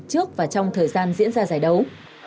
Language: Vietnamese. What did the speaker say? trước và trong thời gian diễn ra giải đấu